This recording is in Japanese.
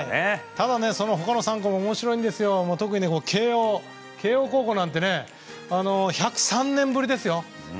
ただ、他の３校も面白くて特に慶應高校なんて１０３年ぶりですよ。